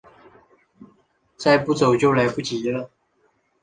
再不走就来不及了